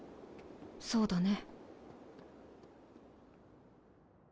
そうだね。